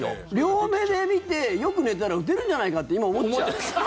両目で見てよく寝たら打てるんじゃないかって今、思っちゃう。